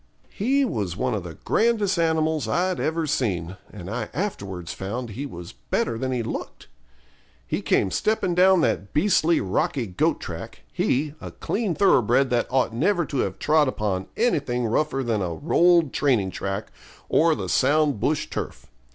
He was one of the grandest animals I'd ever seen, and I afterwards found he was better than he looked. He came stepping down that beastly rocky goat track, he, a clean thoroughbred that ought never to have trod upon anything rougher than a rolled training track, or the sound bush turf.